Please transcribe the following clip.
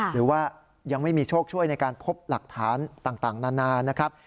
หรือว่ายังไม่มีโชคช่วยในการพบหลักฐานต่างนานานะครับ